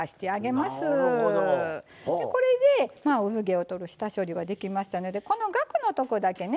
これで産毛をとる下処理ができましたのでこのがくのとこだけね